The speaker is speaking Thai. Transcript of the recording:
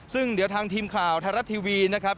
ซึ่งเดี๋ยวทางทีมข่าวไทยรัฐทีวีนะครับ